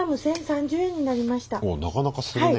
おなかなかするね。